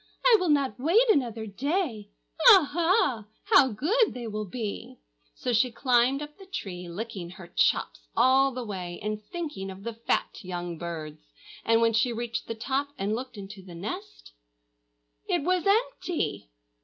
I will not wait another day. Aha! how good they will be!" So she climbed up the tree, licking her chops all the way and thinking of the fat young birds. And when she reached the top and looked into the nest, it was empty!!